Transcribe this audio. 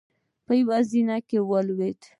يو په زينو کې ولوېد.